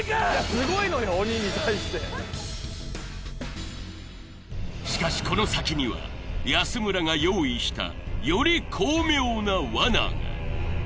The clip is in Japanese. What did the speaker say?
すごいのよ鬼に対してしかしこの先には安村が用意した怖っ！